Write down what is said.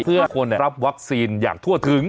เพื่อคนรับวัคซีนอย่างทั่วถึง